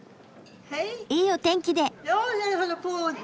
いいお天気で！